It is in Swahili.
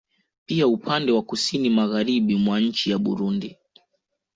Pia upande wa kusini Magharibi mwa nchi ya Burundi